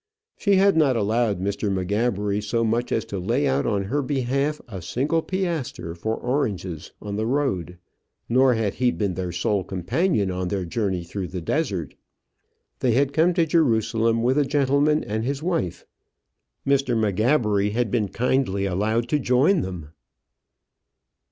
She had not allowed Mr. M'Gabbery so much as to lay out on her behalf a single piastre for oranges on the road. Nor had he been their sole companion on their journey through the desert. They had come to Jerusalem with a gentleman and his wife: Mr. M'Gabbery had been kindly allowed to join them.